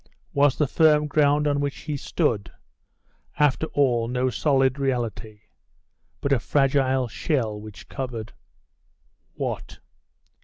Was the firm ground on which he stood after all no solid reality, but a fragile shell which covered what?